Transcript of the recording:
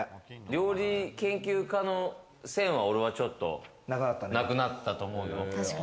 料理研究家の線は俺はちょっとなくなったと思うよ。